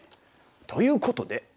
ということで。